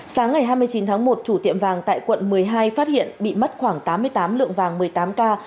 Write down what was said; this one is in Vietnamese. sáng ngày hai mươi chín tháng một chủ tiệm vàng tại quận một mươi hai phát hiện bị mất khoảng tám mươi tám lượng vàng một mươi tám k